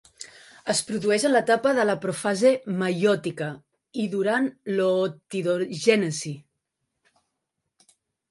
Es produeix en l'etapa de la profase meiòtica I durant l'ootidogènesi.